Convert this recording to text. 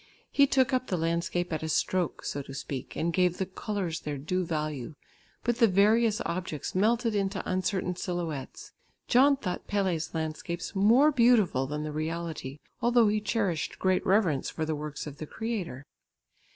He took up the landscape at a stroke, so to speak, and gave the colours their due value, but the various objects melted into uncertain silhouettes. John thought Pelle's landscapes more beautiful than the reality, although he cherished great reverence for the works of the Creator.